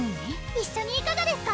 一緒にいかがですか？